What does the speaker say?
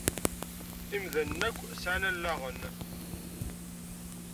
Imdanen akk sεan allaɣen.